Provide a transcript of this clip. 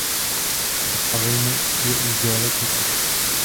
Nenechávejme je už déle čekat.